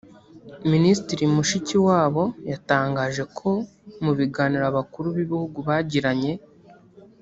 Minisitiri Mushikiwabo yatangaje ko mu biganiro abakuru b’ibihugu bagiranye